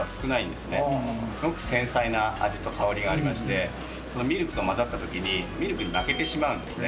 すごく繊細な味と香りがしまして、ミルクと混ざったときに、ミルクに負けてしまうんですね。